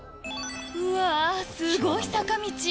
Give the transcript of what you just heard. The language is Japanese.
うわすごい坂道！